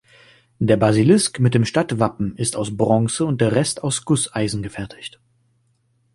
Der Basilisk mit dem Stadtwappen ist aus Bronze und der Rest aus Gusseisen gefertigt.